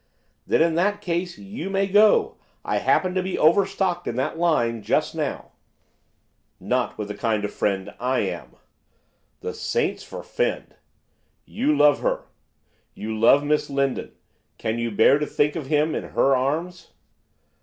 'Then in that case you may go; I happen to be overstocked in that line just now.' 'Not with the kind of friend I am!' 'The saints forefend!' 'You love her, you love Miss Lindon! Can you bear to think of him in her arms?